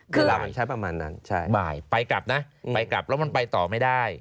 เวลามันใช้ประมาณนั้นบ่ายไปกลับนะไปกลับแล้วมันไปต่อไม่ได้